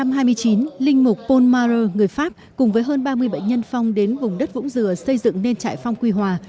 năm một nghìn chín trăm hai mươi chín linh mục paul marer người pháp cùng với hơn ba mươi bệnh nhân phong đến vùng đất vũng dừa xây dựng nên trại phong quy hòa